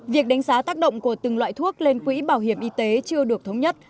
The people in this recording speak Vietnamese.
việc đánh giá tác động của từng loại thuốc lên quỹ bảo hiểm y tế chưa được thống nhất